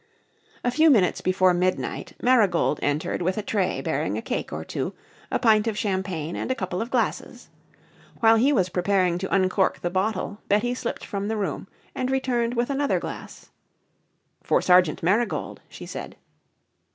A few minutes before midnight Marigold entered with a tray bearing a cake or two, a pint of champagne and a couple of glasses. While he was preparing to uncork the bottle Betty slipped from the room and returned with another glass. "For Sergeant Marigold," she said.